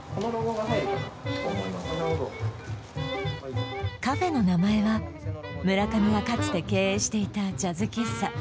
なるほどカフェの名前は村上がかつて経営していたジャズ喫茶